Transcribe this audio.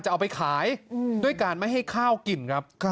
เอาไปขายด้วยการไม่ให้ข้าวกินครับ